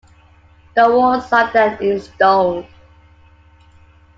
The walls are then installed.